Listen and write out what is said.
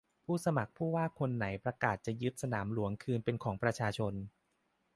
ผู้สมัครผู้ว่าคนไหนประกาศจะยึดสนามหลวงคืนเป็นของประชาชน